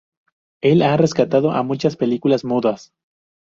Él ha rescatado a muchas películas mudas.